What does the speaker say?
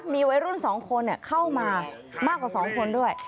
มีวัยรุ่น๒คนเข้ามามากกว่า๒คนด้วย